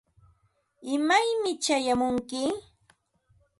¿imaymi chayamunki?